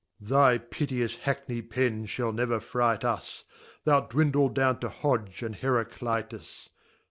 Thy piteous Hackney Pen (hall never fright us, Thou'rt dwindl'd down to Hodge, and Her adit us.